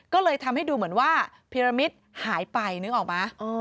ก็เลยทำให้ดูเหมือนว่าพิรมิตหายไปนึกออกไหม